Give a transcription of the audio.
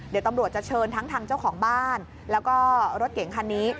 เดี๋ยวตำรวจจะเชิญทั้งทางเจ้าของบ้านแล้วก็รถเก๋งคันนี้